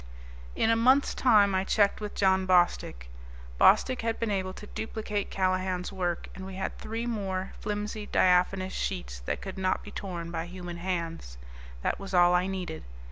In a month's time I checked with John Bostick. Bostick had been able to duplicate Callahan's work, and we had three more, flimsy, diaphanous sheets that could not be torn by human hands. That was all I needed.